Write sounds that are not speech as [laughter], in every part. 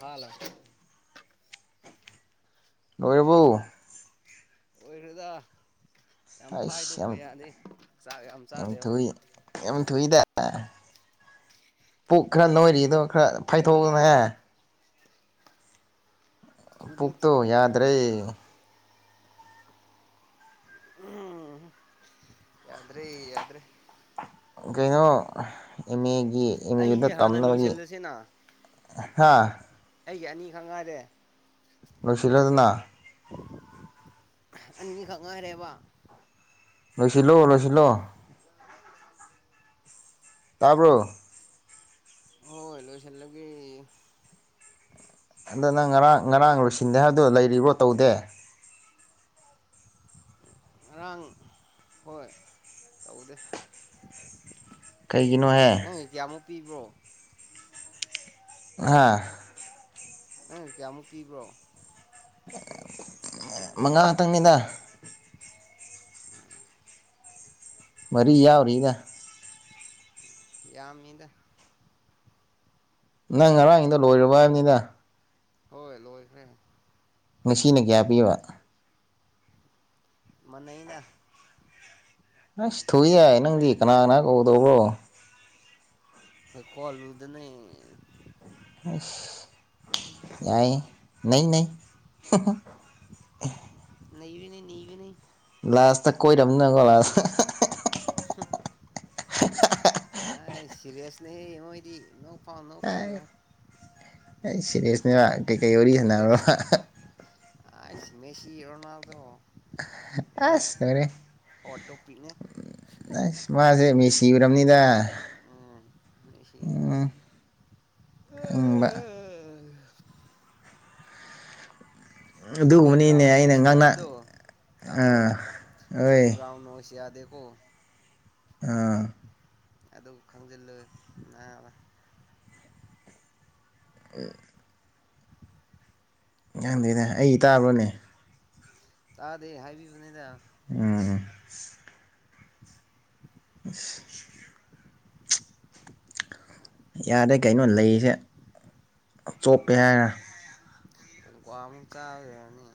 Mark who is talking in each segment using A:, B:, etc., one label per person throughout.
A: hello
B: ꯂꯣꯏꯔꯕꯣ
A: ꯑꯣꯏꯔꯣꯏꯗ
B: ꯑꯩꯁ ꯌꯥꯝ
A: ꯆꯥꯛ
B: ꯌꯥꯝ
A: ꯆꯥꯗꯦꯕ
B: ꯊꯨꯏ ꯌꯥꯝ ꯊꯨꯏꯗ ꯄꯨꯛꯈ꯭ꯔ ꯅꯣꯏꯔꯤ ꯑꯗꯨ ꯈꯔ ꯐꯥꯏꯊꯣꯛꯑꯣꯅꯦ
A: ꯊꯨꯗꯦꯗ ꯊꯨꯗꯦ
B: ꯄꯨꯛꯇꯣ
A: ꯊꯨꯗꯦ
B: ꯌꯥꯗ꯭ꯔꯦ
A: ꯎꯝ ꯌꯥꯗ꯭ꯔꯦ ꯌꯥꯗ꯭ꯔꯦ
B: ꯀꯩꯅꯣ ꯑꯦꯝ ꯑꯦ ꯒꯤ ꯑꯦꯝꯗ
A: ꯑꯩꯁꯦ ꯍꯥꯟꯅ
B: ꯇꯝꯅꯕꯒꯤ
A: ꯂꯣꯏꯁꯤꯜꯂꯁꯤꯅ
B: ꯍꯥ
A: ꯑꯩꯒꯤ ꯑꯅꯤ ꯈꯛ ꯉꯥꯏꯔꯦ
B: ꯂꯣꯏꯁꯤꯜꯂꯣꯗꯅ
A: ꯑꯅꯤꯈꯛ ꯉꯥꯏꯔꯦꯕ
B: ꯂꯣꯏꯁꯤꯜꯂꯣ ꯂꯣꯏꯁꯤꯜꯂꯣ ꯇꯥꯔꯕꯣ
A: ꯍꯣꯏ ꯂꯣꯏꯁꯤꯂꯒ
B: ꯑꯗ ꯅꯪ ꯉꯔꯥꯡ ꯉꯔꯥꯡ ꯂꯣꯏꯁꯤꯟꯗꯦ ꯍꯥꯏꯕꯗꯣ ꯂꯩꯔꯤꯕ꯭ꯔꯣ ꯇꯧꯗꯦ
A: ꯉꯔꯥꯡ ꯍꯣꯏ ꯇꯧꯗꯦ
B: ꯀꯩꯒꯤꯅꯣꯍꯦ
A: ꯅꯪꯒꯤ ꯀꯌꯥꯃꯨꯛ ꯄꯤꯕ꯭ꯔꯣ
B: ꯍꯥꯥ
A: ꯅꯪ ꯀꯌꯥꯃꯨꯛ ꯄꯤꯕ꯭ꯔꯣ
B: ꯃꯉꯥ ꯈꯛꯇꯪꯅꯤꯗ ꯃꯔꯤ ꯌꯥꯎꯔꯤꯒ
A: ꯌꯥꯝꯃꯤꯗ
B: ꯅꯪ ꯉꯔꯥꯡꯒꯤꯗ ꯂꯣꯏꯨꯔꯕ ꯍꯥꯏꯕꯅꯤꯗ
A: ꯍꯣꯏ ꯂꯣꯈꯔꯦ
B: ꯉꯁꯤꯅ ꯀꯌꯥ ꯄꯤꯕ
A: ꯃꯥꯟꯅꯩꯅ
B: ꯑꯁ ꯊꯣꯛꯏ ꯌꯥꯏ ꯅꯪꯗꯤ ꯀꯅꯥ ꯀꯅꯥ ꯀꯧꯗꯧꯕꯣ
A: ꯈꯣꯜꯂꯨꯗꯅꯦ
B: ꯌꯥꯏ ꯅꯩ ꯅꯩ
A: ꯅꯩꯕꯅꯤ ꯅꯩꯕꯅꯤ
B: ꯂꯥꯁꯇ ꯀꯣꯏꯔꯝꯅ ꯅꯪꯀꯣ ꯂꯥꯁꯇ
A: ꯑꯩ ꯁꯤꯔꯤꯌꯥꯁꯅꯦ ꯃꯣꯏꯗꯤ ꯅꯣꯛ ꯄꯥꯎ ꯅꯣꯛ ꯄꯤꯔꯣ
B: ꯁꯤꯔꯤꯑꯁꯅꯦꯕ ꯀꯩ ꯀꯩ ꯋꯥꯔꯤ ꯁꯅꯥꯕ꯭ꯔꯣ [unintelligible]
A: ꯑꯁ ꯃꯦꯁꯤ ꯔꯣꯅꯥꯜꯗꯣ
B: ꯑꯁ ꯂꯣꯏꯔꯦ
A: ꯇꯣꯄꯤꯛꯅꯦ
B: ꯑꯁ ꯃꯥꯁꯦ ꯃꯦꯁꯤ ꯊꯤꯈ꯭ꯔꯕꯅꯤꯗ ꯈꯪꯕ
A: [inaudible]
B: ꯑꯗꯨꯒꯨꯝꯕꯅꯤꯅꯦ
A: ꯕꯦꯛꯒ꯭ꯔꯥꯎꯟ
B: ꯑꯩꯅ ꯉꯥꯡꯅ
A: ꯅꯣꯁꯕꯗꯨ
B: ꯑꯥ ꯍꯣꯏ
A: ꯇꯥꯕ꯭ꯔꯣꯒ꯭ꯔꯥꯎꯟ ꯅꯁ ꯌꯥꯗ ꯑꯣ
B: ꯑ
A: ꯑꯗꯨ ꯈꯪꯖꯤꯜꯂꯨꯦ ꯅꯅꯥꯕ
B: ꯑ ꯉꯪꯗꯣꯏꯅꯦ ꯑꯩ ꯇꯥꯕ꯭ꯔꯣꯅꯦ
A: ꯇꯥꯗꯦ ꯍꯥꯏꯕꯤꯕꯅꯦꯗ
B: ꯎꯝ [inaudible] ꯌꯥꯔꯦ ꯀꯩꯅꯣ ꯂꯩꯁꯦ ꯆꯣꯞꯄꯦ ꯍꯥꯏꯔ
A: ꯀꯣ ꯑꯃꯨ ꯆꯥꯔꯅꯤ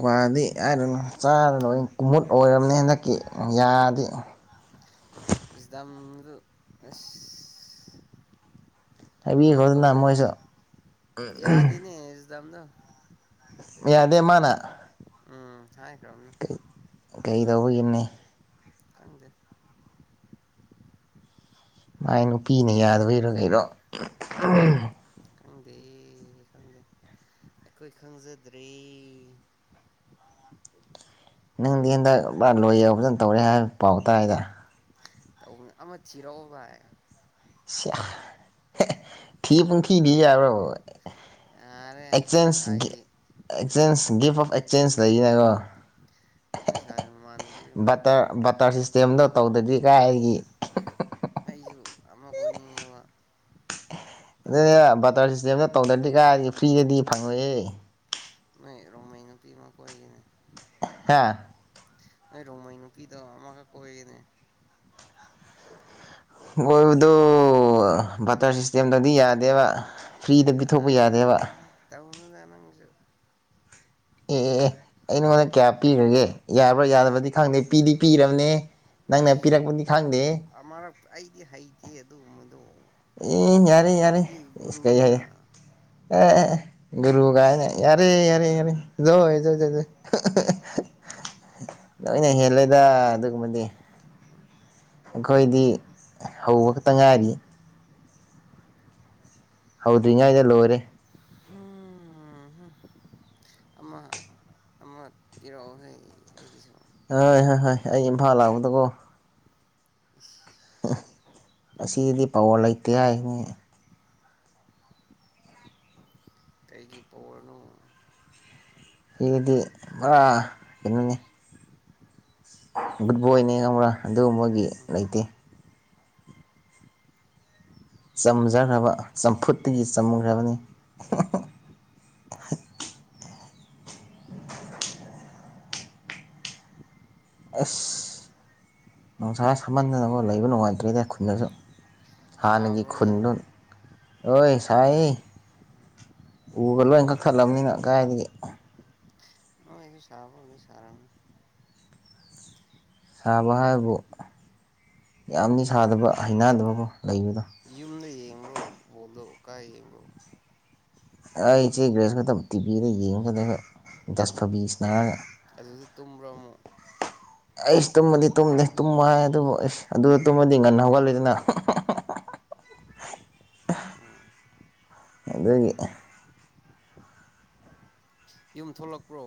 B: ꯒꯗꯤꯗꯅ ꯆꯥꯗꯅ ꯂꯣꯏ ꯀꯨꯝꯃꯨꯠ ꯑꯣꯏꯔꯕꯅꯤ ꯍꯟꯗꯛꯀꯤ ꯌꯥꯗꯤꯦ
A: ꯏꯁꯗꯥꯝꯗꯨ
B: ꯍꯥꯏꯕꯤꯌꯦꯈꯣ ꯑꯗꯨꯅ ꯃꯣꯏꯁꯨ
A: ꯆꯝꯗ
B: ꯌꯥꯗꯦ ꯃꯥꯅ
A: ꯍꯥꯏꯀꯔ꯭ꯥꯝꯃꯦ
B: ꯑꯗꯧ ꯑꯅꯤ
A: ꯀꯒ
B: ꯃꯥꯏ ꯅꯨꯄꯤꯅ ꯌꯥꯗꯕꯩꯔꯣ ꯀꯔꯣ
A: ꯈꯪꯗꯦ ꯈꯪꯗꯦ ꯑꯩꯈꯣꯏ ꯈꯪꯖꯗ꯭ꯔꯦ
B: ꯅꯪꯗꯤ ꯍꯟꯗꯛ ꯂꯣꯏ ꯌꯧ ꯐꯖꯅ ꯇꯧꯔꯦ ꯍꯥꯏꯕ ꯄꯥꯎ ꯇꯥꯥꯏꯗ
A: ꯇ ꯑꯃ ꯊꯤꯔꯛꯑꯣ ꯚꯥꯏ
B: ꯁꯤ ꯊꯤ ꯄꯨꯟꯊꯤꯗꯤ ꯑꯣ
A: ꯌꯥꯔꯦ
B: ꯑꯦꯛꯦꯟ
A: ꯅꯣꯏ ꯁꯥꯏꯒꯤ
B: ꯑꯦꯛꯆꯦꯟꯁ ꯒꯤꯐ ꯑꯣꯐ ꯑꯦꯛꯁꯆꯦꯟꯁ ꯂꯩꯩꯅꯀꯣ
A: ꯅꯣꯏ ꯁꯥꯏ ꯃꯃꯥꯟꯅꯕꯤ ꯑꯃ
B: ꯕꯇꯔ
A: ꯊꯤꯔꯛꯑꯣ
B: ꯕꯇꯔ ꯁꯤꯁꯇꯦꯝꯗꯣ ꯇꯧꯗꯗꯤ ꯀꯥꯏꯒꯤ
A: ꯑꯩꯁꯨ ꯑꯃ ꯀꯣꯏꯅꯤꯡꯌꯦꯕ
B: ꯑꯗꯨꯅꯦ ꯕꯇꯔ ꯁꯤꯁꯇꯦꯝꯗ ꯇꯧꯗ꯭ꯔꯗꯤ ꯀꯥꯏꯗꯤ ꯐ꯭ꯔꯤꯗꯗꯤ ꯐꯪꯉꯣꯏꯑꯦ
A: ꯅꯣꯏ ꯔꯃꯩ ꯅ ꯄꯤꯃ ꯀꯣꯏꯅꯦ
B: ꯍꯥ
A: ꯔꯣꯃꯥꯏ ꯅꯨꯨꯄꯤꯤꯗꯃ ꯀꯣꯏꯒꯅꯦ
B: ꯑꯣꯏꯣꯏꯕꯗꯨ ꯕꯇꯔ ꯁꯤꯁꯇꯦꯝꯗꯗꯤ ꯌꯥꯗꯦꯕ ꯐ꯭ꯔꯤꯗ ꯄꯤ ꯊꯣꯛꯄ ꯌꯥꯗꯦꯕ
A: ꯑꯥ ꯇꯧꯅꯨꯗ ꯅꯪꯁꯨ
B: ꯑꯦ ꯑꯦ ꯑꯦ ꯑꯩ ꯅꯉꯣꯟꯗ ꯀꯌꯥ ꯄꯤꯈ꯭ꯔꯒꯦ ꯌꯥꯕ꯭ꯔꯥ ꯌꯥꯗꯕꯗꯤ ꯈꯪꯗꯦ ꯄꯤꯗꯤ ꯄꯤꯔꯕꯅꯦ ꯅꯪꯅ
A: ꯏꯁ
B: ꯄꯤꯔꯛꯄꯅꯤ ꯈꯪꯗꯦ
A: ꯑꯃꯔꯛ ꯑꯩꯗꯤ ꯍꯩꯇꯦ ꯑꯗꯨꯨꯝꯕꯗꯣ
B: ꯏ ꯌꯥꯔꯔꯤ ꯌꯥꯔꯔꯤ ꯏꯁꯀꯩ
A: ꯒꯨꯔꯨꯅꯤꯅ
B: ꯌꯥꯏꯦ ꯑꯦ ꯑꯦ ꯑꯦ ꯒꯨꯔꯨꯒꯥꯏꯅ ꯌꯥꯔꯦ ꯌꯥꯔꯦ ꯌꯥꯔꯦ ꯖꯣꯏ ꯖꯣꯏ ꯖꯣꯏ ꯂꯣꯏꯅ ꯍꯦꯜꯂꯦꯗ ꯑꯗꯨꯒꯨꯝꯕꯗꯤ ꯑꯩꯈꯣꯏꯗꯤ ꯍꯧꯕ ꯈꯛꯇ ꯉꯥꯏꯔꯤ ꯍꯧꯗ꯭ꯔꯤꯉꯥꯏꯗ ꯂꯣꯏꯔꯦ
A: ꯍꯝ ꯑꯃ ꯑꯃ ꯀꯔꯣꯑꯣ ꯍꯒꯤꯁꯨ
B: ꯍꯣꯏ ꯍꯣꯏ ꯍꯣꯏ ꯑꯩ ꯏꯝꯐꯥꯜ ꯂꯥꯛꯄꯗꯀꯣ
A: ꯑ
B: ꯑꯁꯤꯗꯤ ꯄꯋꯥ ꯂꯩꯇꯦ ꯍꯥꯏꯅꯤ
A: ꯀꯩꯒꯤ ꯄꯧꯔꯅꯨ
B: ꯑꯗꯨꯗꯤ ꯔꯥ ꯀꯩꯅꯣꯅꯤ ꯒꯨꯠꯕꯣꯏꯅꯦ ꯈꯪꯕ꯭ꯔꯥ ꯑꯗꯨꯒꯨꯝꯕꯒꯤ
A: ꯎꯝ
B: ꯂꯩꯇꯦ ꯆꯝꯖꯈ꯭ꯔꯕ ꯆꯝꯐꯨꯠꯇꯒꯤ ꯆꯝꯈ꯭ꯔꯕꯅꯤ
A: ꯎꯝ
B: ꯑꯁ ꯅꯨꯡꯁꯥ ꯁꯃꯟꯗꯅ ꯂꯩꯕ ꯅꯨꯡꯉꯥꯏꯇ꯭ꯔꯦꯗ ꯈꯨꯟꯗꯁꯨ ꯍꯥꯟꯅꯒꯤ
A: ꯁꯥꯕ꯭ꯔꯣꯅꯦ
B: ꯈꯨꯨꯟꯅꯟ ꯍꯣꯏ ꯁꯥꯏ ꯎꯕ ꯂꯣꯏ ꯀꯛꯊꯠꯂꯕꯅꯤꯅ ꯀꯥꯏꯗꯒꯤ
A: ꯑꯣꯁꯨ ꯁꯥꯕ ꯁꯔꯥꯅꯤ
B: ꯁꯥꯕ ꯍꯥꯏꯕꯕꯨ ꯌꯥꯝꯗꯤ ꯁꯥꯗꯕ ꯍꯩꯅꯗꯕꯀꯣ ꯂꯩꯕꯗꯣ
A: ꯀ ꯍꯉ
B: ꯑꯩ ꯏꯆꯦ ꯒ꯭ꯔꯦꯁ ꯃꯇꯝ ꯇꯤꯚꯤꯗ ꯌꯦꯡꯒꯗꯕ ꯗꯁ ꯐꯕꯤꯁꯅꯔꯒ
A: ꯑꯗꯨꯗ ꯇꯨꯝꯕ꯭ꯔꯣ ꯑꯃꯨꯛ
B: ꯑꯩꯁ ꯇꯨꯝꯃꯗꯤ ꯇꯨꯝꯗꯦ ꯇꯨꯝꯃ ꯍꯥꯏ ꯑꯗꯨꯕꯨ ꯑꯩꯁ ꯑꯗꯨꯗ ꯇꯨꯝꯃꯗꯤ ꯉꯟꯅ ꯍꯧꯒꯠꯂꯗꯅ
A: ꯎꯝ
B: ꯑꯗꯨꯗꯒꯤ
A: ꯌꯨꯝ ꯊꯣꯛꯂꯛꯄ꯭ꯔꯣ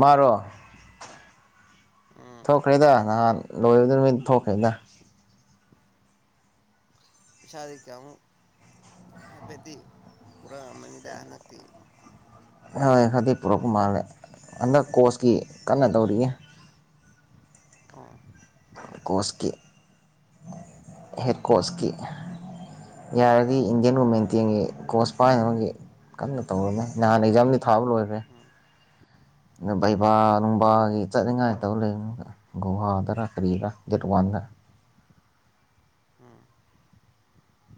B: ꯃꯥꯔꯣ
A: ꯎꯝ
B: ꯊꯣꯛꯈ꯭ꯔꯦꯗ ꯅꯍꯥꯟ ꯂꯣꯏꯔꯗꯃꯤ ꯊꯣꯛꯈ꯭ꯔꯦꯗ
A: ꯄꯁꯥꯗꯀꯃ ꯍꯥꯏꯦꯗꯤ ꯄꯨꯔꯥ ꯃꯅꯤꯗ ꯅ
B: ꯍꯣꯏ ꯈꯔꯗꯤ ꯄꯨꯔꯛꯄ ꯃꯥꯜꯂꯦ ꯍꯟꯗꯛ ꯀꯣꯆꯀꯤ ꯀꯟꯅ ꯇꯧꯔꯤꯌꯦ
A: ꯑꯣ
B: ꯀꯣꯁꯀꯤ ꯍꯦꯠ ꯀꯣꯁꯀꯤ ꯌꯥꯔꯗꯤ ꯏꯟꯗꯤꯌꯥꯟ ꯋꯨꯃꯦꯟꯇꯦꯟꯒꯤ ꯀꯣꯁ ꯄꯥꯏꯅꯕꯒꯤ ꯀꯟꯅ ꯇꯧꯔꯃꯦ ꯅꯍꯥꯟ ꯑꯦꯛꯖꯥꯝꯗꯤ ꯊꯥꯕ ꯂꯣꯏꯈ꯭ꯔꯦ
A: ꯎꯝ
B: ꯑ ꯕꯩꯕꯥ
A: ꯎꯝ
B: ꯅꯨꯡꯕꯥꯒꯤ ꯆꯠꯅꯤꯡꯉꯥꯏꯇꯧ ꯂꯩꯕꯅꯤ ꯒꯨꯍꯥꯗꯔ ꯁꯔꯤꯒ ꯖꯠ ꯋꯥꯒ
A: ꯎꯝ ꯎꯝ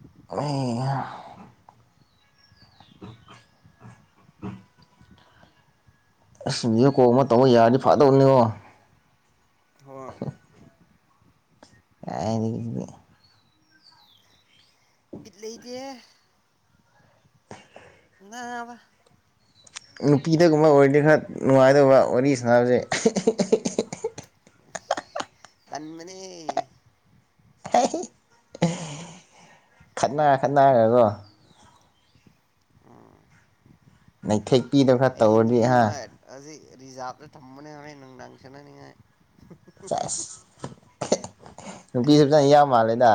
B: ꯑꯩ ꯎꯝ ꯎꯝ ꯑꯁ ꯚꯤꯗꯤꯑꯣ ꯀꯣꯜ ꯑꯃ ꯇꯧꯕ ꯌꯥꯔꯗꯤ ꯐꯥꯗꯧꯅꯤꯉꯣ
A: ꯍꯣꯏ
B: ꯍ ꯗꯒꯤꯗꯒꯤ
A: ꯕꯤꯠꯂꯩꯗꯦ ꯅꯥꯕ
B: ꯅꯨꯄꯤꯗꯒꯨꯝꯕ ꯑꯣꯏꯔꯗꯤ ꯈꯔ ꯅꯨꯡꯉꯥꯏꯗꯕ ꯋꯥꯔꯤ ꯁꯥꯟꯅꯕꯁꯦ
A: ꯇꯟꯃꯅꯦ
B: ꯈꯠꯅꯔ ꯈꯠꯅꯔꯒꯒꯣ
A: ꯎꯝ
B: ꯅꯩꯊꯦꯛ
A: ꯑꯩ ꯅꯨꯄꯤ ꯑꯃ ꯍꯧꯖꯤꯛ ꯔꯤꯖꯥꯕꯁꯨ ꯊꯝꯕꯅꯦꯅꯦ ꯅꯅꯨꯡꯗꯥꯡꯁꯅ ꯅꯉ [inaudible]
B: ꯅꯨꯄꯤꯁꯨꯖꯅ ꯌꯥꯝ ꯃꯥꯜꯂꯦꯗ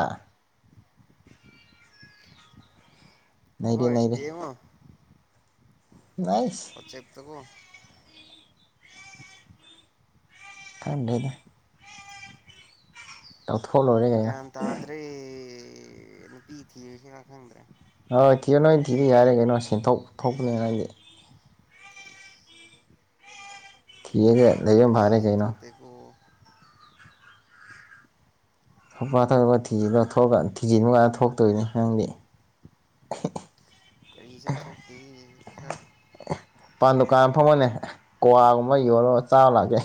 B: ꯅꯩꯔꯦ
A: ꯍꯣꯏ
B: ꯅꯩꯔꯦ
A: ꯌꯦꯃ
B: [inaudible]
A: ꯋꯥꯆꯦꯞꯇꯀꯣ
B: ꯈꯪꯗꯔ꯭ꯦꯗ ꯇꯧ
A: ꯌꯥꯇꯗ꯭ꯔꯤ ꯅꯨꯄꯤ ꯊꯤꯁꯤ ꯈꯪꯗ꯭ꯔꯦ
B: ꯍꯣꯌ ꯊꯤꯌꯨ ꯅꯣꯏ ꯊꯤꯗꯤ ꯌꯥꯔꯦ ꯀꯩꯅꯣ ꯁꯦꯟꯊꯣꯛ ꯊꯣꯛꯄꯅꯤ ꯅꯗꯤ ꯊꯁꯦ ꯂꯩꯝ ꯐꯥꯏ
A: ꯐꯤꯁꯦ ꯊꯣꯛꯇꯦꯀꯣ
B: ꯊꯧꯄꯥ ꯊꯧꯔꯒ ꯊꯤꯖꯤ ꯂꯧꯊꯣꯛꯑꯒ ꯊꯤꯖꯤ ꯅꯨꯡꯀꯥꯏꯇ ꯊꯣꯛꯇꯣꯏꯅꯤ ꯈꯪꯗꯦ
A: ꯀꯔꯤꯁꯨ ꯊꯣꯛꯇꯦ ꯩꯁꯈ
B: ꯄꯥꯟ ꯗꯨꯀꯥꯟ ꯐꯝꯕꯅꯦ ꯀ꯭ꯋꯥꯒꯨꯝꯕ ꯌꯣꯜꯂꯒ ꯆꯥꯔ ꯂꯥꯛꯀꯦ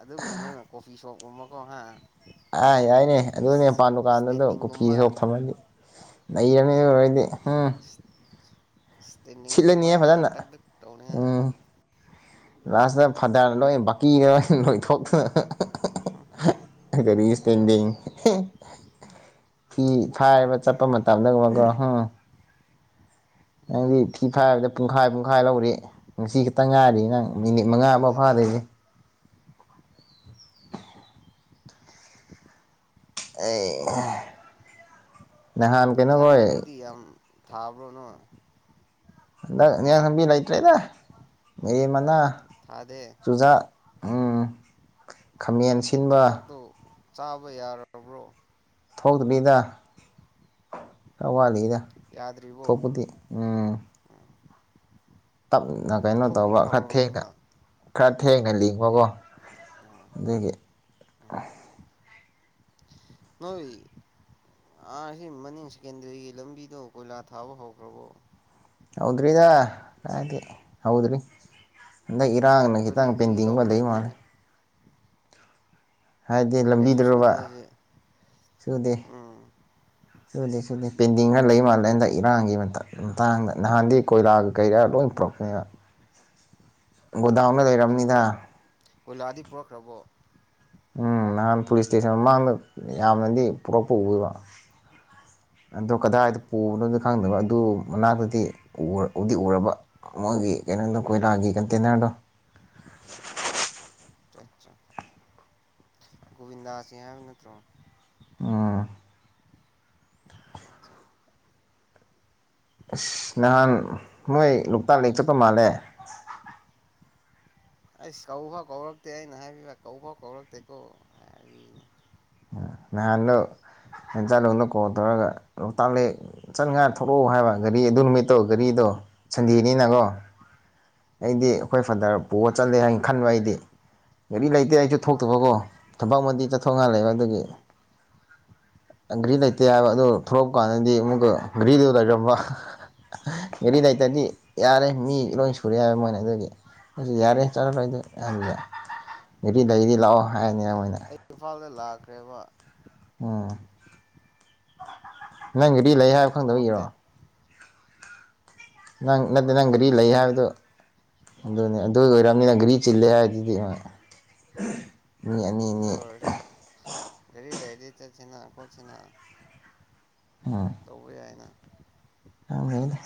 A: ꯑꯗꯨ ꯎ ꯀꯣꯐꯤ ꯎꯃ ꯀ
B: ꯑ ꯌꯥꯏꯅꯦ ꯑꯗꯨꯅꯦ ꯃꯄꯥꯟ ꯗꯨꯀꯥꯟꯗꯨꯗꯣ
A: ꯏꯁꯇꯦꯟꯗꯤꯡꯒꯨꯝꯕ
B: ꯀꯨꯐꯤ ꯁꯣꯞ ꯊꯝꯃꯅꯤ ꯂꯩꯔꯅꯤ ꯑꯣꯏꯔꯣꯏꯗꯤ ꯎꯝ
A: ꯁꯇꯅꯤꯨꯝꯃ
B: ꯁꯤꯠꯂꯅꯤꯍꯦ
A: ꯍꯥ
B: ꯐꯖꯅ
A: ꯇ ꯇꯣꯅꯤ
B: ꯎꯝ ꯂꯥꯁꯇ ꯐꯗꯔ ꯂꯣꯏꯅ ꯕꯀꯤꯗ ꯂ ꯂꯣꯏꯊꯣꯛꯇꯅ ꯀꯔꯤ ꯏꯁꯇꯦꯟꯗꯤꯡ ꯐꯤ ꯐꯥꯏꯕ ꯆꯠꯄ ꯃꯇꯝꯗꯒꯨꯝꯕꯀꯣꯝ ꯅꯪꯗꯤ ꯐꯤ ꯐꯥꯏꯕꯗ ꯄꯨꯡꯈꯥ ꯏ ꯄꯨꯡꯈꯥꯏ ꯂꯧꯔ ꯉꯁꯤ ꯈꯤꯇ ꯉꯥꯏꯔꯤ ꯅꯪ ꯃꯤꯅꯤ ꯃꯉꯥ ꯑꯃ
A: ꯇꯧꯗꯦꯗ
B: ꯐꯥꯗꯣꯏꯁꯦ [inaudible] ꯑꯦ ꯅꯍꯥꯟ ꯀꯩꯅ ꯀ
A: ꯊꯥꯕ꯭ꯔꯣꯅ
B: ꯍꯟꯗꯛ ꯌꯦꯕꯤ ꯂꯩꯇ꯭ꯔꯦꯅꯦ ꯃꯤ ꯃꯅꯥ
A: ꯊꯥꯗꯦ
B: ꯆꯨꯖꯥꯛ ꯎꯝ ꯈꯥꯃꯦꯟ ꯁꯤꯟꯕ
A: ꯆꯨꯖꯥꯛꯇꯣ ꯆꯥꯕ ꯌꯥꯔꯕ꯭ꯔꯣ
B: ꯊꯣꯛꯇ ꯕꯤꯗ ꯍꯋꯥꯂꯤ ꯗ
A: ꯌꯥꯗ꯭ꯔꯤꯕꯣ
B: ꯊꯣꯄꯗꯤ ꯎꯝ ꯇꯞ ꯅ ꯀꯩꯅꯣ ꯇꯧꯕ
A: ꯊꯣꯛꯄꯨꯗꯤ
B: ꯈꯔ ꯊꯦꯛꯒ
A: ꯍꯧꯔꯝꯃꯅꯤꯅ
B: ꯈꯔ ꯊꯦꯡꯅ ꯂꯤꯡꯕꯀꯣ
A: ꯎꯝ
B: ꯑꯗꯨꯗꯒꯤ
A: ꯎꯝ ꯅꯣꯏ ꯑ ꯁꯤ ꯃꯅꯤꯡ ꯁꯦꯀꯦꯟꯗꯔꯤꯒꯤ ꯂꯝꯕꯤꯗꯣ ꯀꯣꯏꯂꯥ ꯊꯥꯕ ꯍꯧꯈ꯭ꯔꯕꯣ
B: ꯍꯧꯗ꯭ꯔꯤꯗꯗꯤ ꯍꯧꯗꯔꯤ ꯇꯥꯡꯅ
A: ꯀꯔꯤ
B: ꯇꯪ
A: ꯀꯔꯤ ꯇꯧꯔ
B: ꯄꯦꯟꯗꯤꯕꯗ ꯋꯥꯅꯦ
A: ꯂꯩꯕ꯭ꯔꯅꯦ
B: ꯍꯥꯏꯗꯤ
A: ꯀꯩꯁꯨ
B: ꯂꯝꯕꯤꯗ꯭ꯔꯕ
A: ꯁꯨꯗꯦ ꯍꯧꯖꯤꯛ
B: ꯁꯨꯗꯦ
A: ꯎꯝ
B: ꯁꯨꯗꯦ ꯁꯨꯗꯦ ꯄꯦꯟꯗꯤꯡꯒꯔ ꯂꯩ ꯃꯥꯜꯂꯦꯗ ꯏꯔꯥꯡꯒꯤ ꯃꯇꯥꯡꯗ ꯅꯍꯥꯟꯗꯤ ꯀꯣꯏꯂꯥꯒ ꯀꯩꯔꯥ ꯂꯣꯏ ꯄꯨꯔꯛꯄꯅꯦꯕ ꯒꯣꯗꯥꯎꯟꯗ
A: ꯆꯠ
B: ꯂꯩꯔꯕꯅꯤꯅ
A: ꯆꯠ ꯀꯣꯏꯂꯥꯗꯤ ꯄꯨꯔꯛꯈ꯭ꯔꯕꯣ
B: ꯎꯝ ꯅꯍꯥꯟ ꯄꯨꯂꯤꯁ ꯏꯁꯇꯦꯁꯟ ꯃꯃꯥꯡꯗ ꯌꯥꯝꯅꯗꯤ ꯄꯨꯔꯛꯄ ꯎꯋꯦꯕ ꯑꯗꯣ ꯀꯗꯥꯏ ꯗ ꯄꯨꯕꯅꯣꯗꯤ ꯈꯪꯗꯕ ꯑꯗꯨ ꯃꯅꯥꯛꯇꯗꯤ ꯎꯗꯤ ꯎꯔꯕ ꯃꯣꯏꯒꯤ ꯀꯩꯅꯣꯗꯣ ꯀꯣꯏꯂꯥꯒꯤ ꯀꯟꯇꯦꯟꯅꯔꯗꯣ
A: ꯑꯆꯥ ꯕꯤꯟꯗꯁ ꯅꯠꯇ꯭ꯔꯣ
B: ꯑꯣ ꯑꯁ ꯅꯍꯥꯟ ꯃꯣꯏ ꯂꯣꯛꯇꯥꯛ ꯂꯦꯛ ꯆꯠꯄ ꯃꯥꯜꯂꯦ
A: ꯑꯩꯁ ꯀꯧꯕ ꯐꯥꯎ ꯀꯧꯔꯛꯇꯦ ꯑꯩꯅ ꯍꯥꯏꯕꯤꯕ ꯀꯧꯕꯥꯎ ꯀꯧꯔꯛꯇꯦꯀꯣ ꯍꯥꯏꯅꯦ
B: ꯅꯍꯥꯟꯗꯣ ꯅꯦꯟꯆꯥꯥꯂꯣꯗ ꯀꯣꯜ ꯇꯧꯔꯒ ꯂꯣꯛꯇꯥꯛ ꯂꯦꯛ ꯆꯠ ꯉꯥ ꯊꯂꯛꯑꯣ ꯍꯥꯏꯕ ꯒꯥꯔꯤ ꯑꯗꯨ ꯅꯨꯃꯤꯠꯇꯧ ꯒꯥꯔꯤꯗꯣ ꯁꯟꯗꯦꯅꯤꯅꯀꯣ ꯑꯩꯗꯤ ꯑꯩꯈꯣꯏ ꯐꯥꯗꯔ
A: ꯎꯝ
B: ꯄꯨꯒ ꯆꯠꯂꯦ ꯍꯥꯏꯅ ꯈꯟꯕ ꯑꯩꯗꯤ ꯒꯥꯔꯤ ꯂꯩꯇꯦ ꯑꯩꯁꯨ ꯊꯣꯛꯇꯕꯀꯣ
A: ꯎꯝ
B: ꯊꯕꯛꯃꯗꯤ ꯆꯠꯊꯣꯛ ꯉꯥꯏꯍ ꯂꯩꯕ ꯑꯗꯨꯒꯤ
A: ꯎꯝ
B: ꯘ꯭ꯔꯤ ꯂꯩꯇꯦ ꯍꯥꯏꯕ ꯑꯗꯨ ꯊꯣꯛꯂꯛꯄ ꯀꯥꯟꯗꯗꯤ ꯑꯃꯨꯛꯀ ꯘ꯭ꯔꯤꯗꯨ ꯂꯩꯔꯝꯕ ꯒꯥꯔꯤ ꯂꯩꯇꯗꯤ ꯌꯥꯔꯦ
A: ꯎꯝ
B: ꯃꯤ ꯂꯣꯏ ꯁꯨꯔꯦ ꯍꯥꯏꯕ ꯃꯣꯏꯅ ꯑꯗꯨꯒꯤ ꯑꯗꯨ ꯌꯥꯔꯦ ꯆꯠꯂꯔꯣꯏꯗ ꯑꯗꯨꯗ ꯘꯔꯤ ꯂꯩꯗꯤ ꯂꯥꯛꯑꯣ ꯍꯥꯏꯔꯅꯤ ꯃꯣꯏꯅ
A: ꯗ ꯂꯥꯛꯈ꯭ꯔꯦꯕ
B: ꯎꯝ ꯅꯪꯒꯗꯤ ꯂꯩ ꯍꯥꯏꯦ ꯐꯪꯗꯕ
A: ꯀꯧꯔꯛꯇꯦ
B: ꯏꯔꯣ ꯅꯪ ꯅꯠꯇꯦ
A: ꯍꯣꯏ
B: ꯅꯪ ꯒꯥꯔꯤ ꯂꯩ ꯍꯥꯏꯕꯗꯣ
A: ꯍꯥꯏꯕꯤꯗꯕꯩꯅꯤ
B: ꯑꯗꯨꯅꯤ ꯑꯗꯨ ꯑꯣꯏꯔꯕꯝꯅꯤꯅ ꯘ꯭ꯔꯤ ꯆꯤꯜꯂꯦ ꯍꯥꯏꯗꯨꯗꯤ ꯃꯤ ꯑꯅꯤ
A: ꯑꯗꯨ
B: ꯑꯅꯤ
A: ꯑꯣꯏꯔꯁꯨ ꯀꯔꯤ ꯂꯩꯗꯤ ꯆꯠꯁꯤꯅ ꯀꯁꯤꯅ ꯇꯧꯕ ꯌꯥꯏꯅ
B: ꯑꯦꯅꯦ